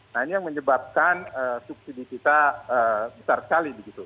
nah ini yang menyebabkan subsidi kita besar sekali begitu